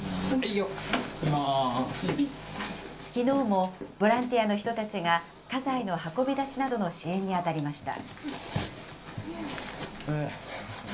きのうもボランティアの人たちが、家財の運び出しなどの支援に当たりました。